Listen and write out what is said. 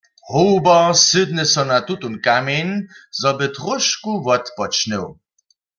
Hober sydny so na tutón kamjeń, zo by tróšku wotpočnył.